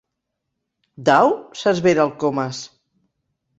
Dau? —s'esvera el Comas.